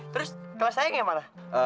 terus kelas saya yang mana